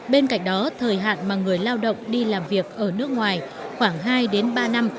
bên cạnh đó thời hạn mà người lao động đi làm việc ở nước ngoài khoảng hai đến ba năm